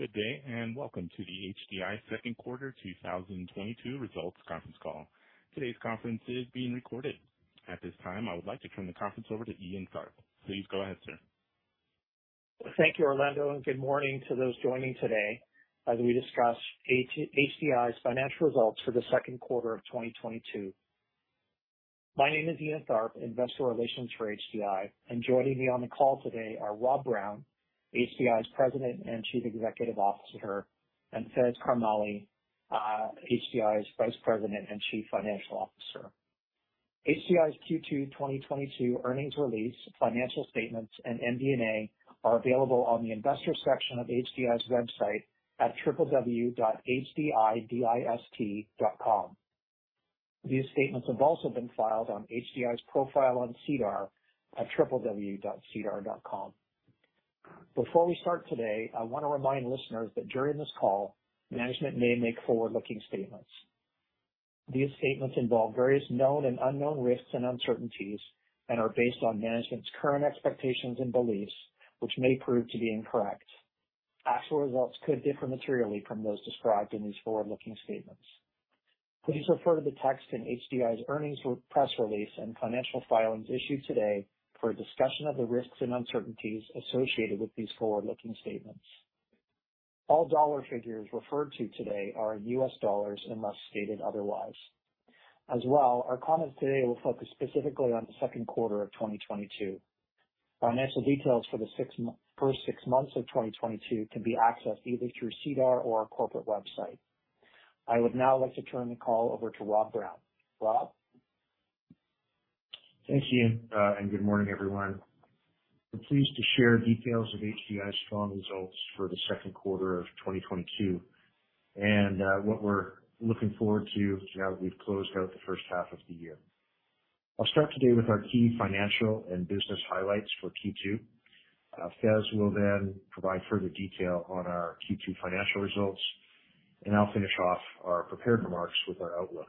Good day, and welcome to the ADENTRA second quarter 2022 results conference call. Today's conference is being recorded. At this time, I would like to turn the conference over to Ian Tharp. Please go ahead, sir. Thank you, Orlando, and good morning to those joining today as we discuss ADENTRA's financial results for the second quarter of 2022. My name is Ian Tharp, investor relations for ADENTRA, and joining me on the call today are Rob Brown, ADENTRA's President and Chief Executive Officer, and Faiz Karmally, ADENTRA's Vice President and Chief Financial Officer. ADENTRA's Q2 2022 earnings release, financial statements, and MD&A are available on the investor section of ADENTRA's website at www.adentragroup.com. These statements have also been filed on ADENTRA's profile on SEDAR at www.sedar.com. Before we start today, I wanna remind listeners that during this call, management may make forward-looking statements. These statements involve various known and unknown risks and uncertainties and are based on management's current expectations and beliefs, which may prove to be incorrect. Actual results could differ materially from those described in these forward-looking statements. Please refer to the text in ADENTRA's earnings press release and financial filings issued today for a discussion of the risks and uncertainties associated with these forward-looking statements. All dollar figures referred to today are in U.S. dollars, unless stated otherwise. As well, our comments today will focus specifically on the second quarter of 2022. Financial details for the first six months of 2022 can be accessed either through SEDAR or our corporate website. I would now like to turn the call over to Rob Brown. Rob? Thanks, Ian, and good morning, everyone. We're pleased to share details of HDI's strong results for the second quarter of 2022 and, what we're looking forward to now that we've closed out the first half of the year. I'll start today with our key financial and business highlights for Q2. Faiz will then provide further detail on our Q2 financial results, and I'll finish off our prepared remarks with our outlook.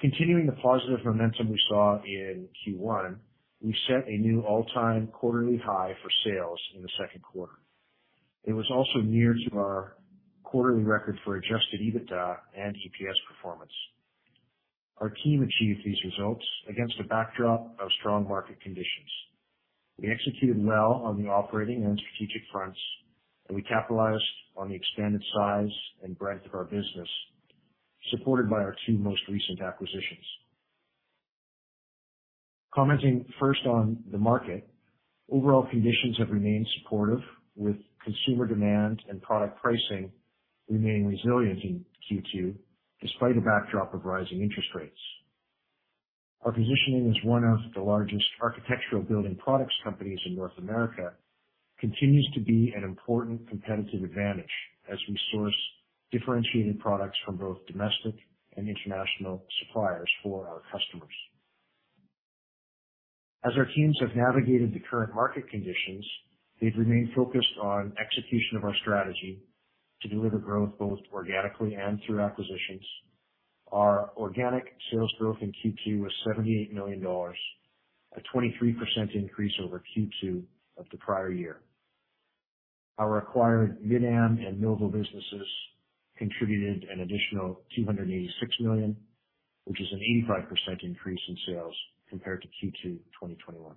Continuing the positive momentum we saw in Q1, we set a new all-time quarterly high for sales in the second quarter. It was also near to our quarterly record for Adjusted EBITDA and EPS performance. Our team achieved these results against a backdrop of strong market conditions. We executed well on the operating and strategic fronts, and we capitalized on the expanded size and breadth of our business, supported by our two most recent acquisitions. Commenting first on the market, overall conditions have remained supportive, with consumer demand and product pricing remaining resilient in Q2 despite a backdrop of rising interest rates. Our positioning as one of the largest architectural building products companies in North America continues to be an important competitive advantage as we source differentiated products from both domestic and international suppliers for our customers. As our teams have navigated the current market conditions, they've remained focused on execution of our strategy to deliver growth both organically and through acquisitions. Our organic sales growth in Q2 was $78 million, a 23% increase over Q2 of the prior year. Our acquired Mid-Am and Novo businesses contributed an additional $286 million, which is an 85% increase in sales compared to Q2 2021.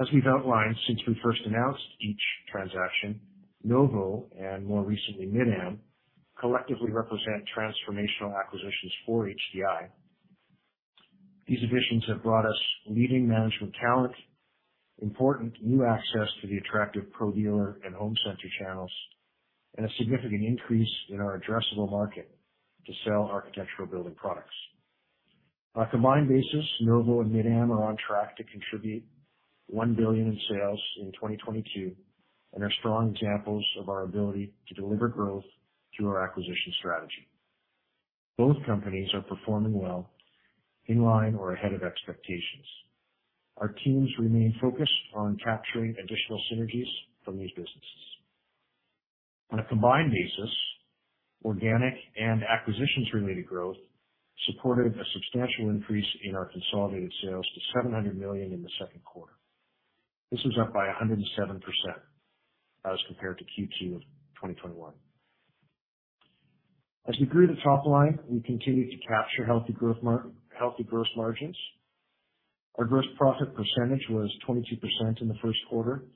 As we've outlined since we first announced each transaction, Novo and more recently Mid-Am collectively represent transformational acquisitions for HDI. These additions have brought us leading management talent, important new access to the attractive ProDealer and home center channels, and a significant increase in our addressable market to sell architectural building products. On a combined basis, Novo and Mid-Am are on track to contribute $1 billion in sales in 2022 and are strong examples of our ability to deliver growth through our acquisition strategy. Both companies are performing well, in line or ahead of expectations. Our teams remain focused on capturing additional synergies from these businesses. On a combined basis, organic and acquisitions-related growth supported a substantial increase in our consolidated sales to $700 million in the second quarter. This was up by 107% as compared to Q2 of 2021. As we grew the top line, we continued to capture healthy gross margins. Our gross profit percentage was 22% in the first quarter,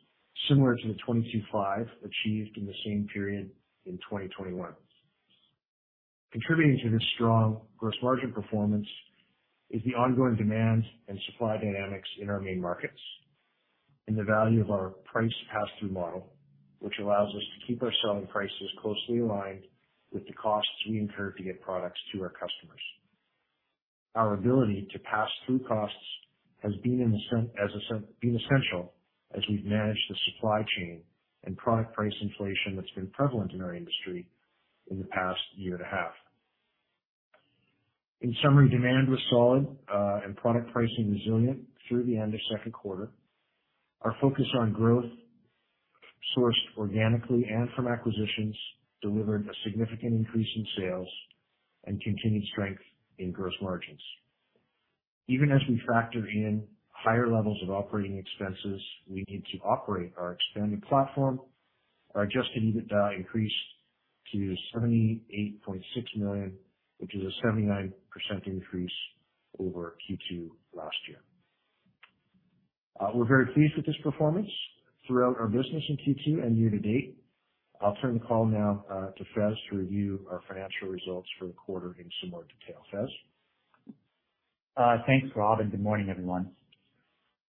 similar to the 22.5 achieved in the same period in 2021. Contributing to this strong gross margin performance is the ongoing demand and supply dynamics in our main markets and the value of our price pass-through model, which allows us to keep our selling prices closely aligned with the costs we incur to get products to our customers. Our ability to pass through costs has been essential as we've managed the supply chain and product price inflation that's been prevalent in our industry in the past year and a half. In summary, demand was solid, and product pricing resilient through the end of second quarter. Our focus on growth, sourced organically and from acquisitions, delivered a significant increase in sales and continued strength in gross margins. Even as we factor in higher levels of operating expenses we need to operate our expanded platform, our Adjusted EBITDA increased to $78.6 million, which is a 79% increase over Q2 last year. We're very pleased with this performance throughout our business in Q2 and year to date. I'll turn the call now to Faiz to review our financial results for the quarter in some more detail. Faiz? Thanks, Rob, and good morning, everyone.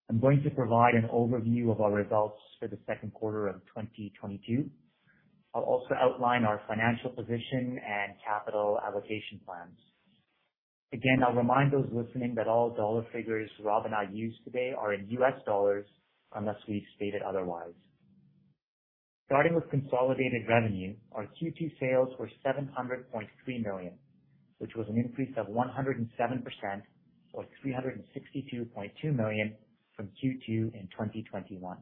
I'm going to provide an overview of our results for the second quarter of 2022. I'll also outline our financial position and capital allocation plans. Again, I'll remind those listening that all dollar figures Rob and I use today are in U.S. dollars unless we've stated otherwise. Starting with consolidated revenue, our Q2 sales were $700.3 million, which was an increase of 107% or $362.2 million from Q2 in 2021.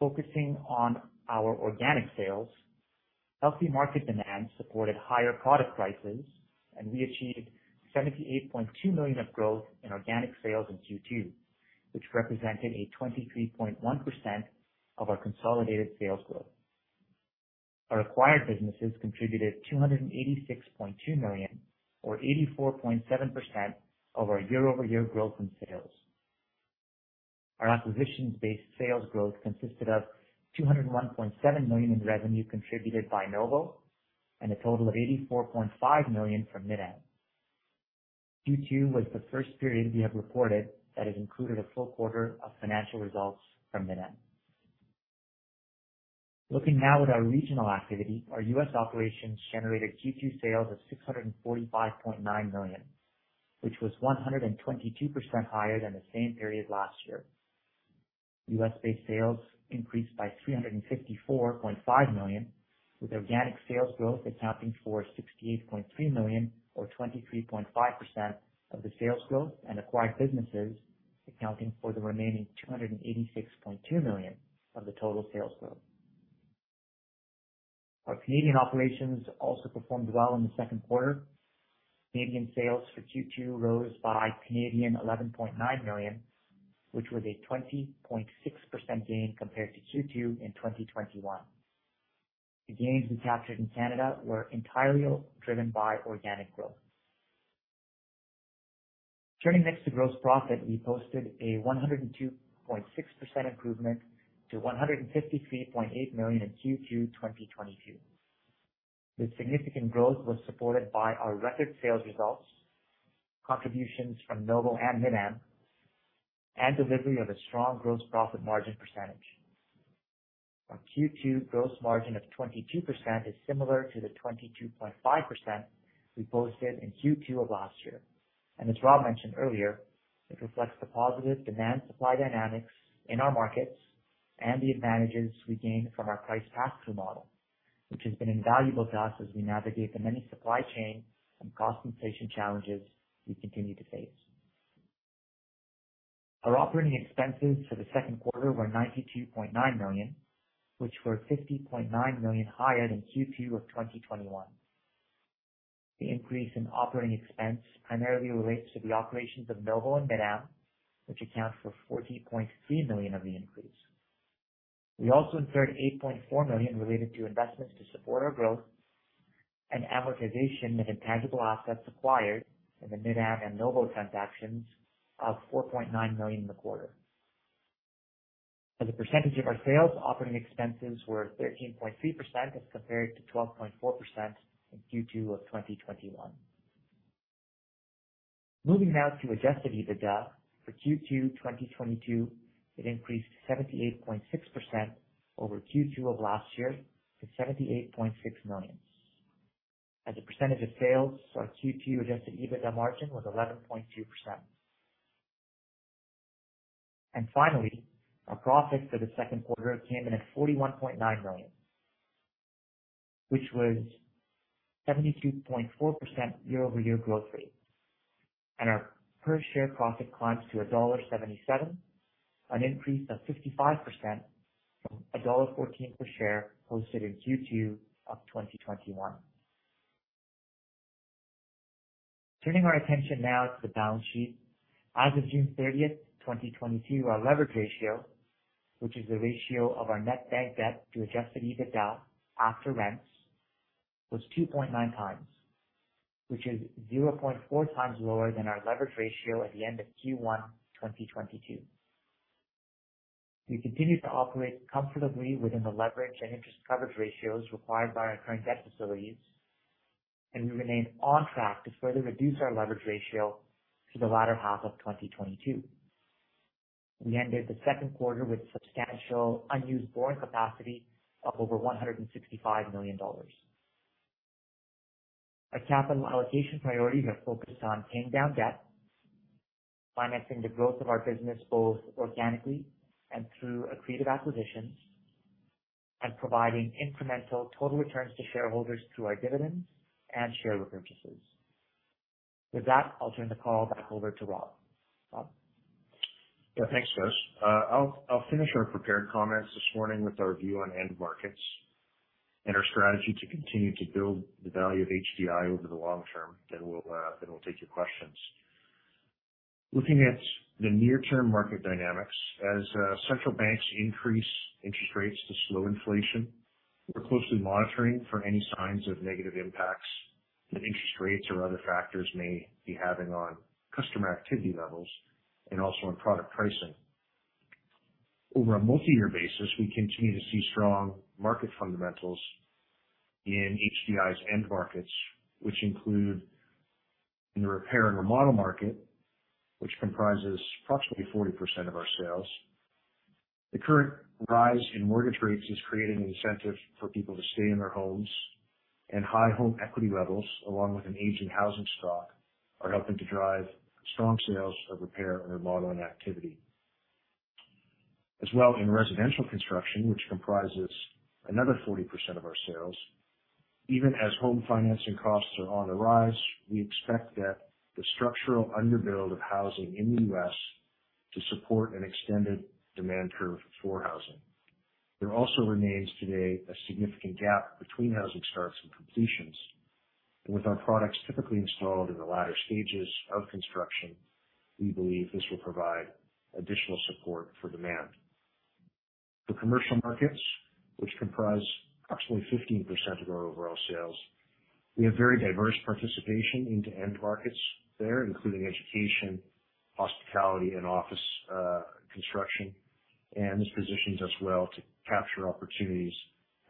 Focusing on our organic sales, healthy market demand supported higher product prices, and we achieved $78.2 million of growth in organic sales in Q2, which represented a 23.1% of our consolidated sales growth. Our acquired businesses contributed $286.2 million or 84.7% of our year-over-year growth in sales. Our acquisitions-based sales growth consisted of $201.7 million in revenue contributed by Novo and a total of $84.5 million from Mid-Am. Q2 was the first period we have reported that has included a full quarter of financial results from Mid-Am. Looking now at our regional activity, our U.S. operations generated Q2 sales of $645.9 million, which was 122% higher than the same period last year. U.S.-based sales increased by $354.5 million, with organic sales growth accounting for $68.3 million or 23.5% of the sales growth and acquired businesses accounting for the remaining $286.2 million of the total sales growth. Our Canadian operations also performed well in the second quarter. Canadian sales for Q2 rose by 11.9 million, which was a 20.6% gain compared to Q2 in 2021. The gains we captured in Canada were entirely driven by organic growth. Turning next to gross profit, we posted a 102.6% improvement to 153.8 million in Q2 2022. This significant growth was supported by our record sales results, contributions from Novo and Mid-Am, and delivery of a strong gross profit margin percentage. Our Q2 gross margin of 22% is similar to the 22.5% we posted in Q2 of last year. As Rob mentioned earlier, it reflects the positive demand supply dynamics in our markets and the advantages we gain from our price pass-through model, which has been invaluable to us as we navigate the many supply chain and cost inflation challenges we continue to face. Our operating expenses for the second quarter were $92.9 million, which were $50.9 million higher than Q2 of 2021. The increase in operating expense primarily relates to the operations of Novo and Mid-Am, which account for $14.3 million of the increase. We also incurred $8.4 million related to investments to support our growth and amortization of intangible assets acquired in the Mid-Am and Novo transactions of $4.9 million in the quarter. As a percentage of our sales, operating expenses were 13.3% as compared to 12.4% in Q2 of 2021. Moving now to Adjusted EBITDA for Q2 2022, it increased 78.6% over Q2 of last year to 78.6 million. As a percentage of sales, our Q2 Adjusted EBITDA margin was 11.2%. Finally, our profit for the second quarter came in at 41.9 million, which was 72.4% year-over-year growth rate. Our per share profit climbed to dollar 1.77, an increase of 55% from dollar 1.14 per share posted in Q2 of 2021. Turning our attention now to the balance sheet. As of June 30th, 2022, our leverage ratio, which is the ratio of our net bank debt to Adjusted EBITDA after rents, was 2.9x, which is 0.4x lower than our leverage ratio at the end of Q1 2022. We continue to operate comfortably within the leverage and interest coverage ratios required by our current debt facilities, and we remain on track to further reduce our leverage ratio through the latter half of 2022. We ended the second quarter with substantial unused borrowing capacity of over $165 million. Our capital allocation priorities are focused on paying down debt, financing the growth of our business both organically and through accretive acquisitions, and providing incremental total returns to shareholders through our dividends and share repurchases. With that, I'll turn the call back over to Rob. Rob? Yeah. Thanks, Faiz. I'll finish our prepared comments this morning with our view on end markets and our strategy to continue to build the value of ADENTRA over the long term. We'll take your questions. Looking at the near term market dynamics, as central banks increase interest rates to slow inflation, we're closely monitoring for any signs of negative impacts that interest rates or other factors may be having on customer activity levels and also on product pricing. Over a multi-year basis, we continue to see strong market fundamentals in ADENTRA's end markets, which include in the repair and remodel market, which comprises approximately 40% of our sales. The current rise in mortgage rates is creating an incentive for people to stay in their homes, and high home equity levels, along with an aging housing stock, are helping to drive strong sales of repair and remodeling activity. As well, in residential construction, which comprises another 40% of our sales, even as home financing costs are on the rise, we expect that the structural underbuild of housing in the U.S. to support an extended demand curve for housing. There also remains today a significant gap between housing starts and completions. With our products typically installed in the latter stages of construction, we believe this will provide additional support for demand. For commercial markets, which comprise approximately 15% of our overall sales, we have very diverse participation into end markets there, including education, hospitality, and office, construction, and this positions us well to capture opportunities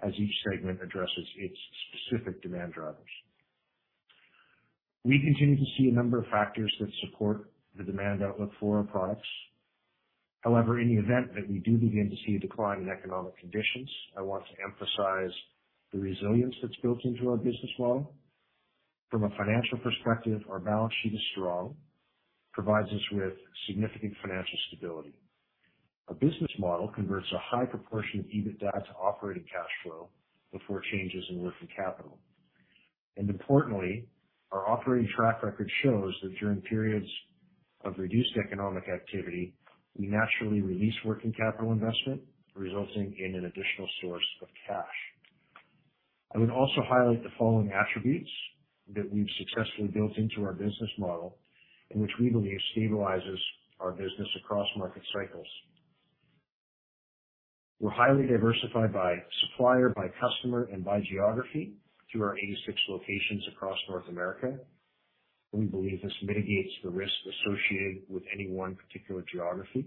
as each segment addresses its specific demand drivers. We continue to see a number of factors that support the demand outlook for our products. However, in the event that we do begin to see a decline in economic conditions, I want to emphasize the resilience that's built into our business model. From a financial perspective, our balance sheet is strong, provides us with significant financial stability. Our business model converts a high proportion of EBITDA to operating cash flow before changes in working capital. Importantly, our operating track record shows that during periods of reduced economic activity, we naturally release working capital investment, resulting in an additional source of cash. I would also highlight the following attributes that we've successfully built into our business model and which we believe stabilizes our business across market cycles. We're highly diversified by supplier, by customer, and by geography through our 86 locations across North America, and we believe this mitigates the risk associated with any one particular geography.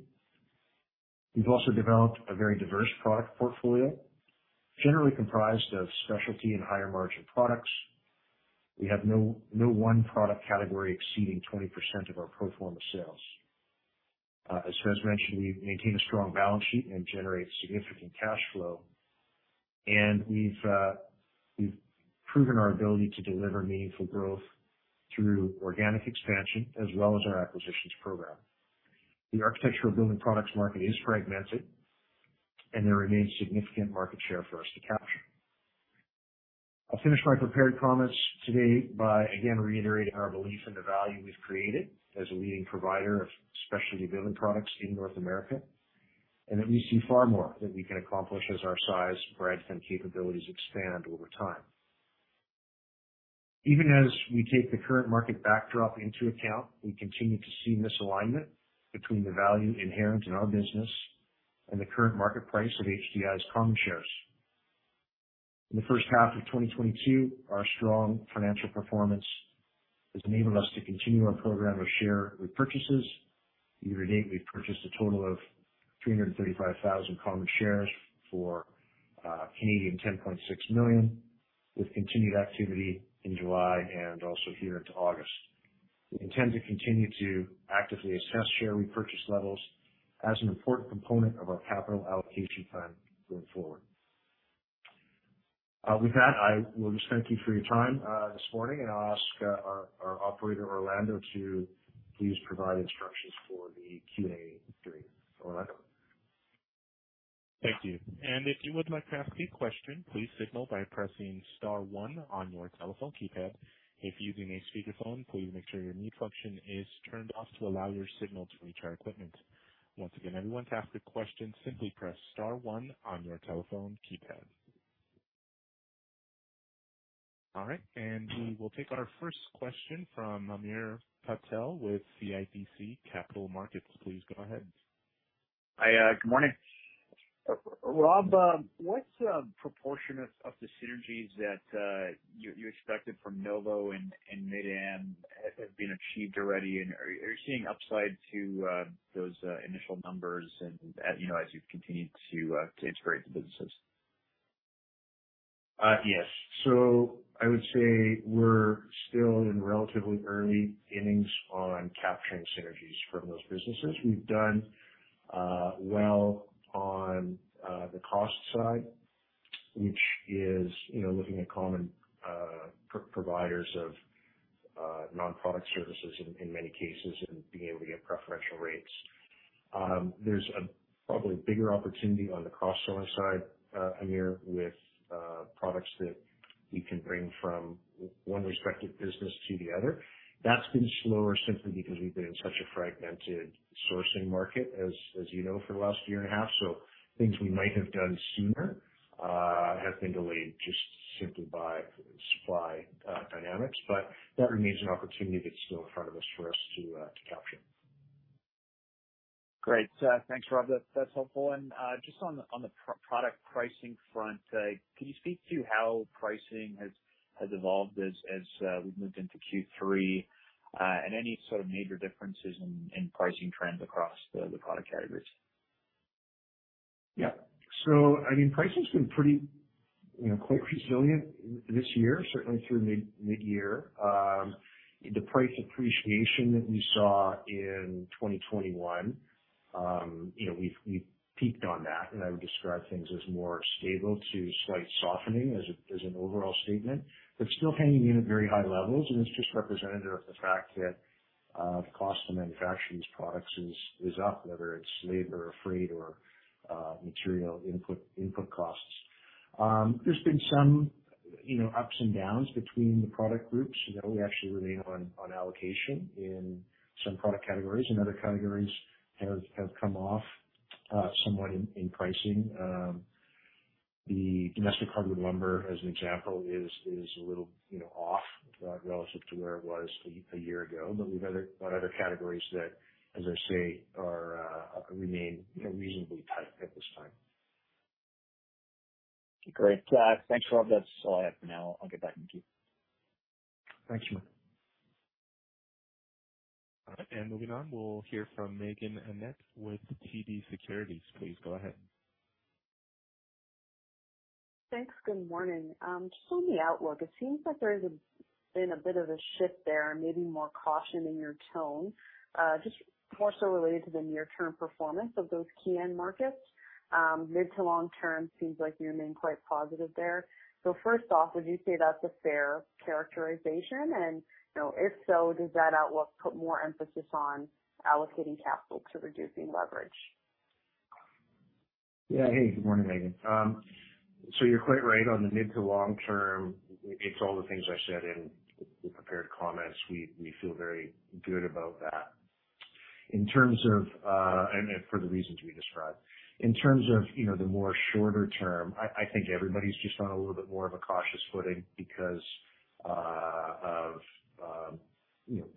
We've also developed a very diverse product portfolio, generally comprised of specialty and higher margin products. We have no one product category exceeding 20% of our pro forma sales. As Suz mentioned, we maintain a strong balance sheet and generate significant cash flow, and we've proven our ability to deliver meaningful growth through organic expansion as well as our acquisitions program. The architectural building products market is fragmented, and there remains significant market share for us to capture. I'll finish my prepared comments today by, again, reiterating our belief in the value we've created as a leading provider of specialty building products in North America, and that we see far more that we can accomplish as our size, breadth, and capabilities expand over time. Even as we take the current market backdrop into account, we continue to see misalignment between the value inherent in our business and the current market price of ADENTRA's common shares. In the first half of 2022, our strong financial performance has enabled us to continue our program of share repurchases. Year to date, we've purchased a total of 335,000 common shares for 10.6 million with continued activity in July and also here into August. We intend to continue to actively assess share repurchase levels as an important component of our capital allocation plan going forward. With that, I will just thank you for your time this morning, and I'll ask our operator, Orlando, to please provide instructions for the Q&A during. Orlando? Thank you. If you would like to ask a question, please signal by pressing star one on your telephone keypad. If using a speakerphone, please make sure your mute function is turned off to allow your signal to reach our equipment. Once again, everyone, to ask a question, simply press star one on your telephone keypad. All right. We will take our first question from Hamir Patel with CIBC Capital Markets. Please go ahead. Hi. Good morning. Rob, what proportion of the synergies that you expected from Novo and Mid-Am have been achieved already? Are you seeing upside to those initial numbers and you know, as you've continued to integrate the businesses? Yes. I would say we're still in relatively early innings on capturing synergies from those businesses. We've done well on the cost side, which is, you know, looking at common providers of non-product services in many cases and being able to get preferential rates. There's probably a bigger opportunity on the cross-selling side, Hamir, with products that we can bring from one respective business to the other. That's been slower simply because we've been in such a fragmented sourcing market as you know for the last year and a half. Things we might have done sooner have been delayed just simply by supply dynamics. That remains an opportunity that's still in front of us for us to capture. Great. Thanks, Rob. That's helpful. Just on the product pricing front, can you speak to how pricing has evolved as we've moved into Q3, and any sort of major differences in pricing trends across the product categories? Yeah. I mean, pricing's been pretty, you know, quite resilient this year, certainly through midyear. The price appreciation that we saw in 2021, you know, we've peaked on that, and I would describe things as more stable to slight softening as an overall statement, but still hanging in at very high levels. It's just representative of the fact that the cost to manufacture these products is up, whether it's labor or freight or material input costs. There's been some, you know, ups and downs between the product groups. You know, we actually remain on allocation in some product categories, and other categories have come off somewhat in pricing. The domestic hardwood lumber, as an example, is a little, you know, off relative to where it was a year ago. We've got other categories that, as I say, remain, you know, reasonably tight at this time. Great. Thanks, Rob. That's all I have for now. I'll get back in queue. Thanks, Hamir. Moving on, we'll hear from Meaghen Annett with TD Securities. Please go ahead. Thanks. Good morning. Just on the outlook, it seems like there's been a bit of a shift there and maybe more caution in your tone, just more so related to the near-term performance of those key end markets. Mid to long-term seems like you remain quite positive there. First off, would you say that's a fair characterization? You know, if so, does that outlook put more emphasis on allocating capital to reducing leverage? Yeah. Hey, good morning, Megan. You're quite right on the mid to long-term. It's all the things I said in the prepared comments. We feel very good about that. In terms of, for the reasons we described. In terms of, you know, the more shorter term, I think everybody's just on a little bit more of a cautious footing because of, you know,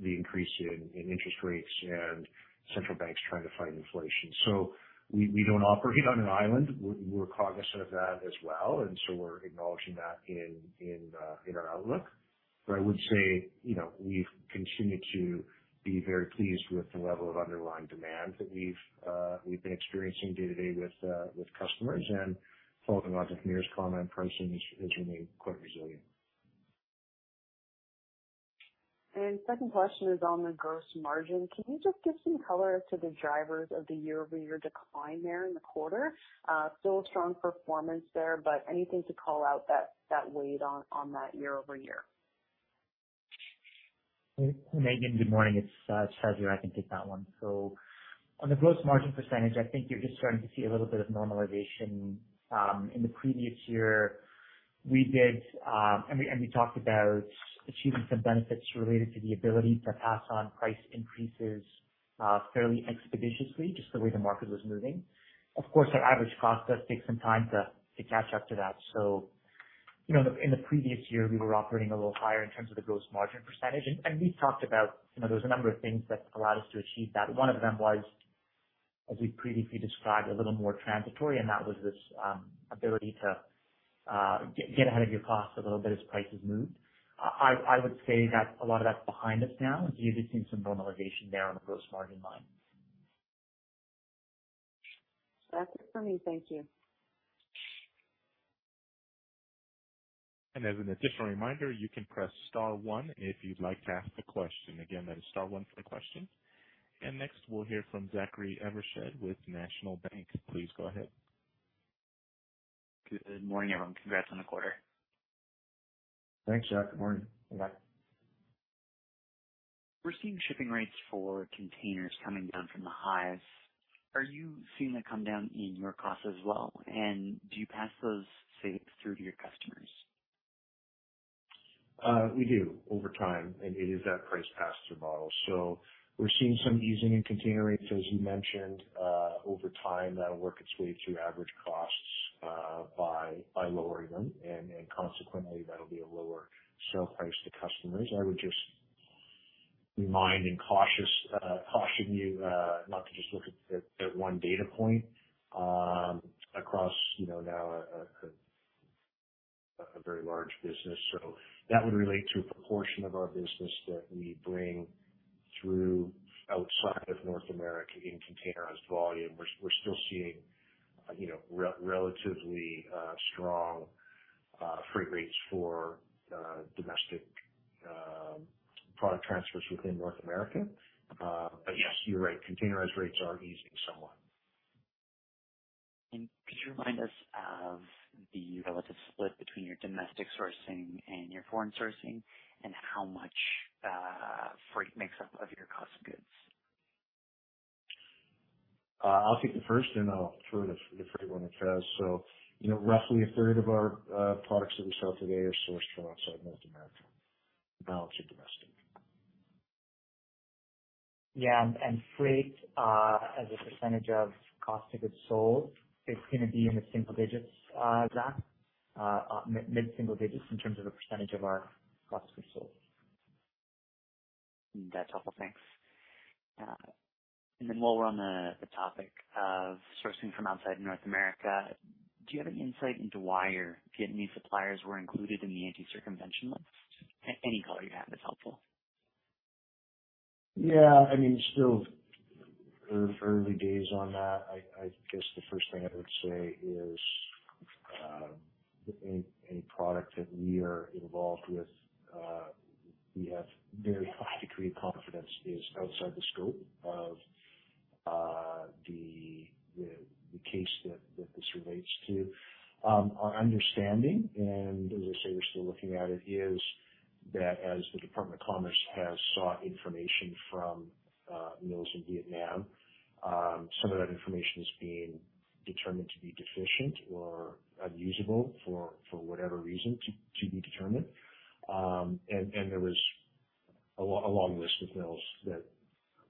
the increase in interest rates and central banks trying to fight inflation. We don't operate on an island. We're cognizant of that as well, and so we're acknowledging that in our outlook. But I would say, you know, we've continued to be very pleased with the level of underlying demand that we've been experiencing day-to-day with customers. Following on Hamir's comment, pricing has remained quite resilient. Second question is on the gross margin. Can you just give some color to the drivers of the year-over-year decline there in the quarter? Still a strong performance there, but anything to call out that weighed on that year over year? Hey, Meaghen, good morning. It's Faiz. I can take that one. On the gross margin percentage, I think you're just starting to see a little bit of normalization. In the previous year, we did and we talked about achieving some benefits related to the ability to pass on price increases, fairly expeditiously, just the way the market was moving. Of course, our average cost does take some time to catch up to that. You know, in the previous year, we were operating a little higher in terms of the gross margin percentage. We talked about, you know, there was a number of things that allowed us to achieve that. One of them was, as we previously described, a little more transitory, and that was this, ability to, get ahead of your costs a little bit as prices moved. I would say that a lot of that's behind us now. You've just seen some normalization there on the gross margin line. That's it for me. Thank you. As an additional reminder, you can press star one if you'd like to ask a question. Again, that is star one for the question. Next, we'll hear from Zachary Evershed with National Bank Financial. Please go ahead. Good morning, everyone. Congrats on the quarter. Thanks, Zach. Good morning. You bet. We're seeing shipping rates for containers coming down from the highs. Are you seeing that come down in your costs as well? Do you pass those saves through to your customers? We do over time, and it is that price pass-through model. We're seeing some easing in container rates, as you mentioned. Over time, that'll work its way through average costs, by lowering them, and consequently, that'll be a lower sale price to customers. I would just remind and caution you not to just look at one data point across, you know, now a very large business. That would relate to a proportion of our business that we bring through outside of North America in containerized volume. We're still seeing, you know, relatively strong freight rates for domestic product transfers within North America. Yes, you're right, containerized rates are easing somewhat. Could you remind us of the relative split between your domestic sourcing and your foreign sourcing and how much freight makes up of your cost of goods? I'll take the first and I'll throw it to first one to Chaz. You know, roughly a third of our products that we sell today are sourced from outside North America. The balance are domestic. Freight, as a percentage of cost of goods sold, is gonna be in the single digits, Zach. Mid-single digits in terms of a percentage of our cost of goods sold. That's helpful. Thanks. While we're on the topic of sourcing from outside North America, do you have any insight into why your Vietnamese suppliers were included in the anti-circumvention list? Any color you have is helpful. Yeah. I mean, still early days on that. I guess the first thing I would say is, any product that we are involved with, we have very high degree of confidence is outside the scope of, the case that this relates to. Our understanding, and as I say, we're still looking at it, is that as the Department of Commerce has sought information from, mills in Vietnam, some of that information is being determined to be deficient or unusable for whatever reason to be determined. There was a long list of mills that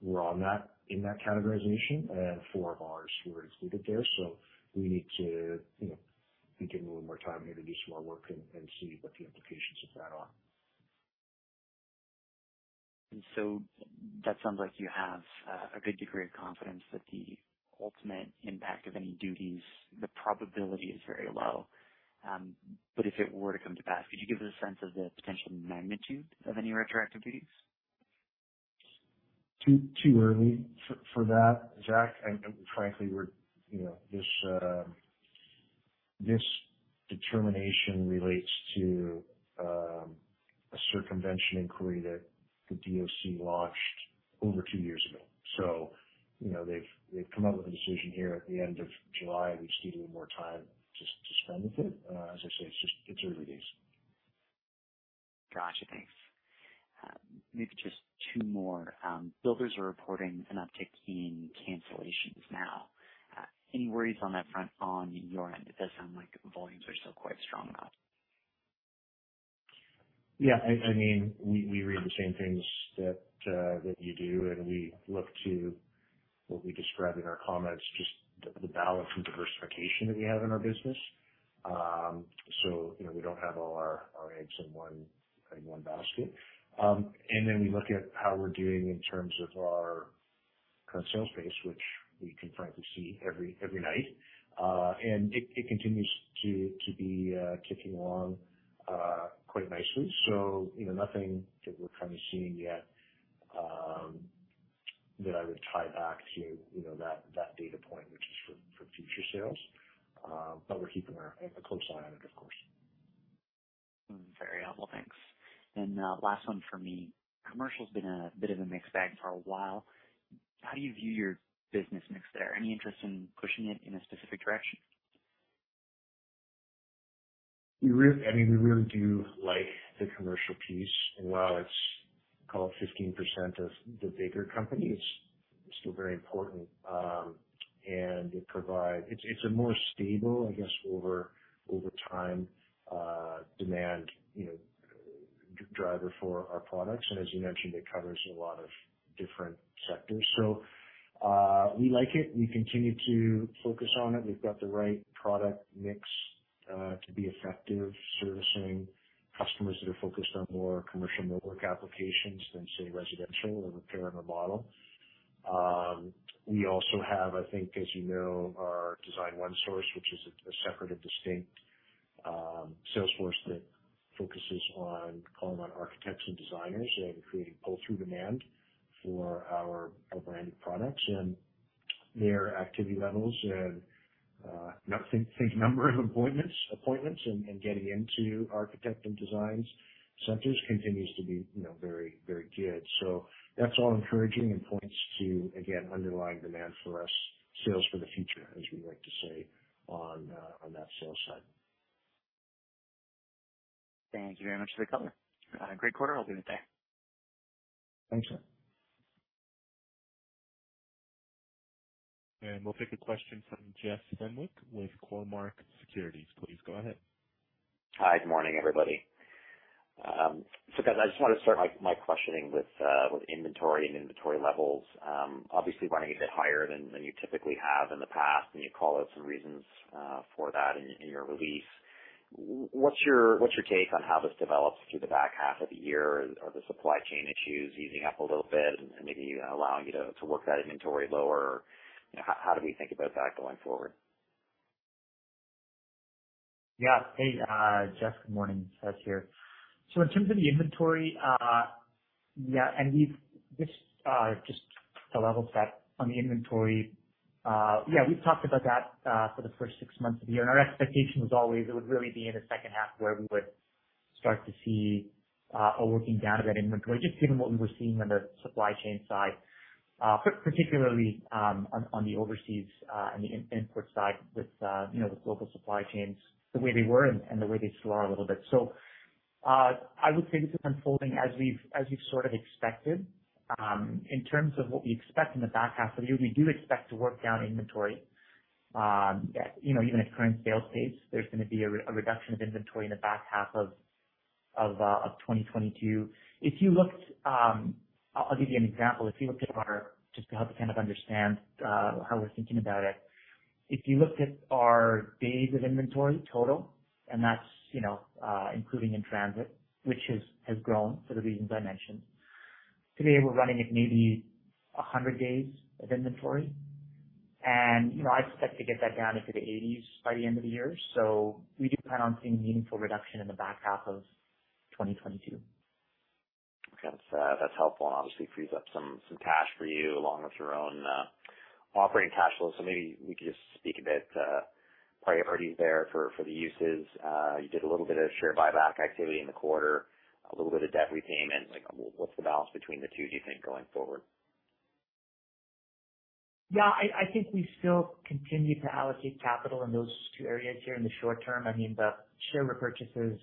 were on that, in that categorization, and four of ours were included there. We need to, you know, we need a little more time here to do some more work and see what the implications of that are. That sounds like you have a good degree of confidence that the ultimate impact of any duties, the probability is very low. But if it were to come to pass, could you give us a sense of the potential magnitude of any retroactive duties? Too early for that, Zach. Frankly, we're, you know, this determination relates to a circumvention inquiry that the DOC launched over two years ago. You know, they've come up with a decision here at the end of July. We just need a little more time to spend with it. As I say, it's just early days. Gotcha. Thanks. Maybe just two more. Builders are reporting an uptick in cancellations now. Any worries on that front on your end? It does sound like volumes are still quite strong now. Yeah. I mean, we read the same things that you do, and we look to what we described in our comments, just the balance and diversification that we have in our business. You know, we don't have all our eggs in one basket. We look at how we're doing in terms of our kind of sales base, which we can frankly see every night. It continues to be ticking along quite nicely. You know, nothing that we're kind of seeing yet that I would tie back to that data point, which is for future sales. We're keeping a close eye on it, of course. Very helpful. Thanks. Last one from me. Commercial's been a bit of a mixed bag for a while. How do you view your business mix there? Any interest in pushing it in a specific direction? I mean, we really do like the commercial piece. While it's called 15% of the bigger company, it's still very important. It provides. It's a more stable, I guess, over time, demand, you know, driver for our products. As you mentioned, it covers a lot of different sectors. We like it. We continue to focus on it. We've got the right product mix to be effective servicing customers that are focused on more commercial network applications than, say, residential or repair and remodel. We also have, I think as you know, our DesignOneSource, which is a separate and distinct sales force that focuses on calling on architects and designers and creating pull-through demand for our co-branded products. Their activity levels and the number of appointments and getting into architect and design centers continues to be, you know, very, very good. That's all encouraging and points to, again, underlying demand for next sales for the future, as we like to say on that sales side. Thank you very much for the color. Great quarter. I'll leave it there. Thanks, Zach. We'll take a question from Jeff Fenwick with Cormark Securities. Please go ahead. Hi. Good morning, everybody. So guys, I just want to start my questioning with inventory and inventory levels, obviously running a bit higher than you typically have in the past, and you called out some reasons for that in your release. What's your take on how this develops through the back half of the year? Are the supply chain issues easing up a little bit and maybe allowing you to work that inventory lower? How do we think about that going forward? Yeah. Hey, Jeff, good morning. Chaz here. In terms of the inventory, yeah, and we've just to level set on the inventory. Yeah, we've talked about that for the first six months of the year, and our expectation was always it would really be in the second half where we would start to see a working down of that inventory, just given what we were seeing on the supply chain side, particularly on the overseas and the import side with you know, with global supply chains the way they were and the way they still are a little bit. I would say this is unfolding as we've sort of expected. In terms of what we expect in the back half of the year, we do expect to work down inventory. You know, even at current sales pace, there's gonna be a reduction of inventory in the back half of 2022. If you looked, I'll give you an example. Just to help you kind of understand how we're thinking about it. If you looked at our days of inventory total, and that's, you know, including in transit, which has grown for the reasons I mentioned. Today, we're running at maybe 100 days of inventory. You know, I expect to get that down into the 80s by the end of the year. We do plan on seeing meaningful reduction in the back half of 2022. Okay. That's helpful and obviously frees up some cash for you along with your own operating cash flow. Maybe you could just speak a bit priorities there for the uses. You did a little bit of share buyback activity in the quarter, a little bit of debt repayment. Like, what's the balance between the two, do you think, going forward? Yeah, I think we still continue to allocate capital in those two areas here in the short term. I mean, the share repurchases,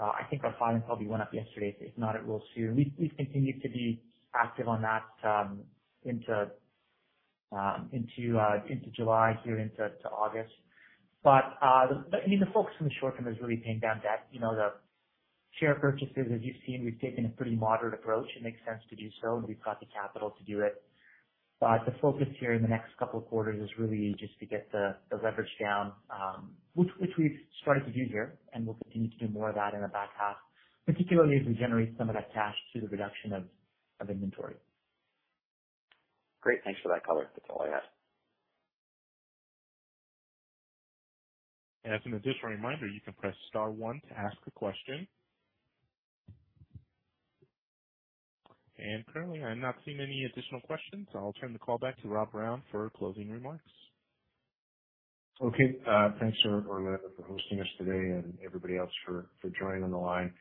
I think our filing probably went up yesterday. If not, it will soon. We've continued to be active on that, into July here into August. I mean, the focus in the short term is really paying down debt. You know, the share purchases, as you've seen, we've taken a pretty moderate approach. It makes sense to do so, and we've got the capital to do it. The focus here in the next couple of quarters is really just to get the leverage down, which we've started to do here, and we'll continue to do more of that in the back half, particularly as we generate some of that cash through the reduction of inventory. Great. Thanks for that color. That's all I have. As an additional reminder, you can press star one to ask a question. Currently, I'm not seeing any additional questions. I'll turn the call back to Rob Brown for closing remarks. Okay. Thanks for hosting us today and everybody else for joining on the line.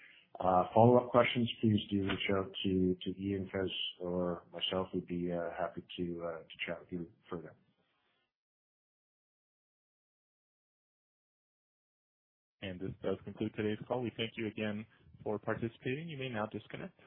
Follow-up questions, please do reach out to Ian, Chris, or myself. We'd be happy to chat with you further. This does conclude today's call. We thank you again for participating. You may now disconnect.